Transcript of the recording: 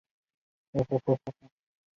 首府为德累斯顿。